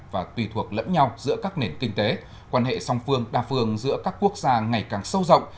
và tùy thuộc lẫn nhau giữa các nền kinh tế quan hệ song phương đa phương giữa các quốc gia ngày càng sâu rộng